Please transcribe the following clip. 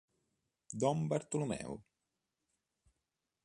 Don Bartolomeo.